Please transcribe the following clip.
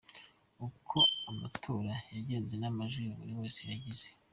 Uko amatora yagenze n’amajwi buri wese yagize:.